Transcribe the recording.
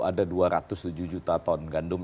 ada dua ratus tujuh juta ton gandum